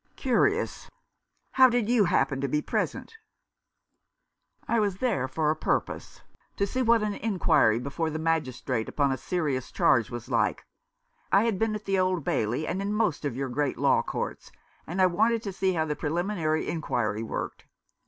" Curious ! How did you happen to be present ?"" I was there for a purpose — to see what an inquiry before the Magistrate upon a serious charge was like. I had been at the Old Bailey, and in most of your great law courts, and I wanted to see how the preliminary inquiry worked.